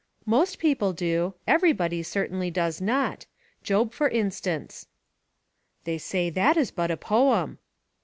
"Most people do; everybody certainly does not: Job, for instance." "They say that is but a poem."